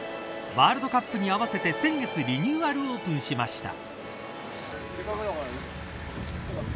ワールドカップに合わせて先月リニューアルオープンしました。